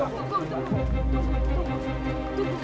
tunggu tunggu tunggu